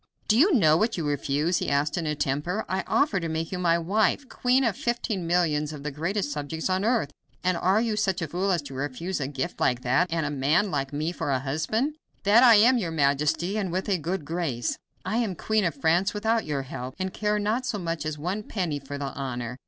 "Do you know what you refuse?" he asked in a temper. "I offer to make you my wife queen of fifteen millions of the greatest subjects on earth and are you such a fool as to refuse a gift like that, and a man like me for a husband?" "That I am, your majesty, and with a good grace. I am Queen of France without your help, and care not so much as one penny for the honor.